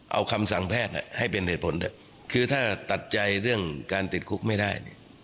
เอาคำสั่งแพทย์ให้เป็นเหตุผลเถอะคือถ้าตัดใจเรื่องการติดคุกไม่ได้